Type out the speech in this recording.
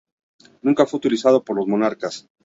Nunca fue utilizado por los monarcas.